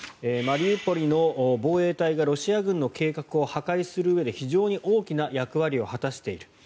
マリウポリの防衛隊がロシア軍の計画を破壊するうえで非常に大きな役割を果たしている。